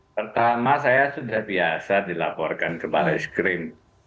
pertama saya sudah biasa dilaporkan ke balai skrim